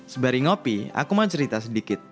sebaring ngopi aku mau cerita sedikit